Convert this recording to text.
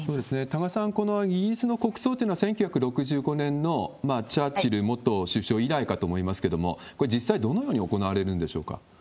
多賀さん、このイギリスの国葬というのは、１９６５年のチャーチル元首相以来かと思いますけれども、これ、実際どのように行われるんでしょうか？